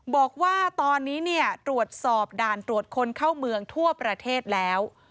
บอกว่าตอนนี้ตรวจสอบด่านตรวจคนเข้าเมืองทั่วประเทศแล้ว